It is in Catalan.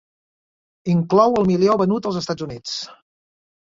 Inclou el milió venut als Estats Units.